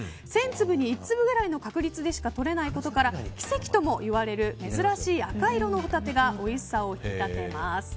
１０００粒に１粒くらいの確率でしかとれないことから奇跡ともいわれる珍しい赤色のホタテがおいしさを引き立てます。